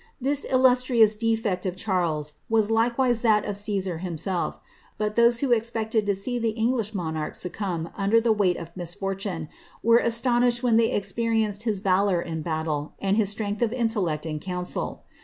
This illustrious defect of Charles was likewise that of Caesar hin^ ^elf; but those who expected to see the English monarch succumb under the weight of misfortune, were astonished wheu they experienced his valour ia Imttle and his i^trength of intellect in council.